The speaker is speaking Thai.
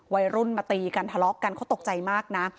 วัยรุ่นมาตีกันทะเลาะกันเขาตกใจมากนะ